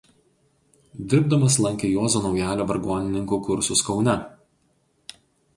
Dirbdamas lankė Juozo Naujalio vargonininkų kursus Kaune.